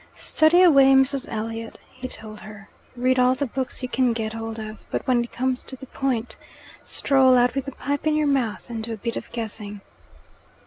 "Study away, Mrs. Elliot," he told her; "read all the books you can get hold of; but when it comes to the point, stroll out with a pipe in your mouth and do a bit of guessing."